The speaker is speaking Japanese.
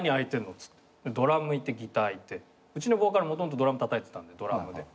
っつってドラムいてギターいてうちのボーカルもともとドラムたたいてたんでドラムで。